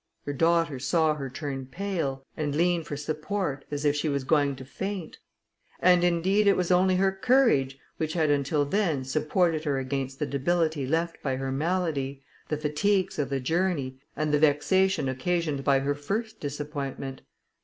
Her daughter saw her turn pale, and lean for support, as if she was going to faint; and indeed it was only her courage which had until then supported her against the debility left by her malady, the fatigues of the journey, and the vexation occasioned by her first disappointment.